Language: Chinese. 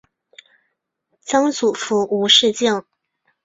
曾祖父吴仕敬。